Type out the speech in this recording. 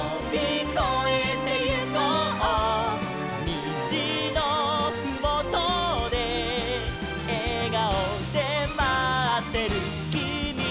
「にじのふもとでえがおでまってるきみがいる」